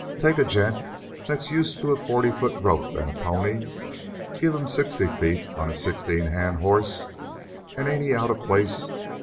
Take a gent that's used to a forty foot rope and a pony, give him sixty feet on a sixteen hand hoss, and ain't he out of place?